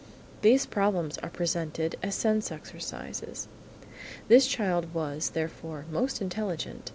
These problems are presented as sense exercises. This child was, therefore, most intelligent.